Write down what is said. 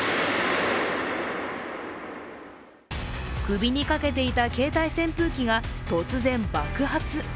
首にかけていた携帯扇風機が突然、爆発。